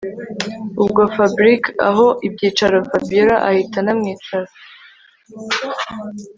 Ubwo Fabric aha ibyicaro Fabiora ahita anamwicara